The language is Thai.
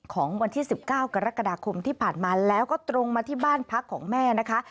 ของวันที่๑๙กรกฎาคมที่ผ่านมาแล้วก็ตรงมาที่บ้านพักของแม่นะคะ